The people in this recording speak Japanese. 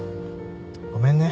ごめんね。